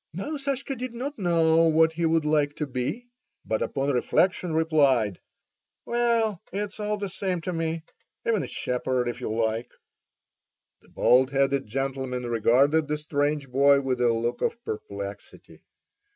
Now Sashka did not know what he would like to be, but upon reflection replied: "Well, it's all the same to me, even a shepherd, if you like." The bald headed gentleman regarded the strange boy with a look of perplexity.